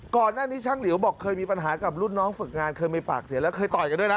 ก่อนหน้านี้ช่างหลิวบอกเคยมีปัญหากับรุ่นน้องฝึกงานเคยมีปากเสียแล้วเคยต่อยกันด้วยนะ